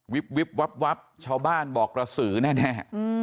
วิบวิบวับวับชาวบ้านบอกระสือแน่